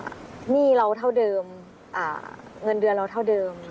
หนี้เราเท่าเดิมเงินเดือนเราเท่าเดิม